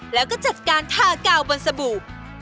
แล้วก็จัดการทากาวบนสบู่